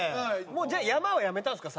もうじゃあ山はやめたんですか？